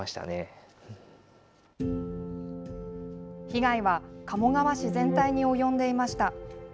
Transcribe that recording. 被害は鴨川市全体に及んでいました。